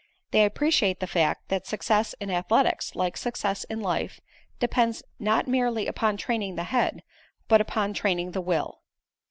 They appreciate the fact that success in athletics, like success in life, depends not merely upon training the head, but upon training the will.